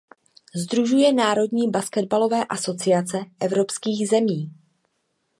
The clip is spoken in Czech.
Sdružuje národní baseballové asociace evropských zemí.